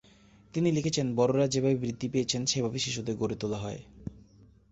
তিনি লিখেছেন, “বড়রা যেভাবে বৃদ্ধি পেয়েছেন সেভাবে শিশুদের গড়ে তোলা হয়”।